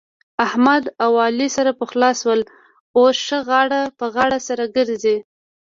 احمد اوعلي سره پخلا سول. اوس ښه غاړه په غاړه سره ګرځي.